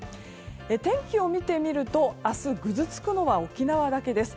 天気を見てみると明日ぐずつくのは沖縄だけです。